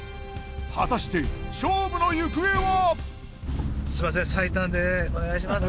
果たして勝負の行方は！？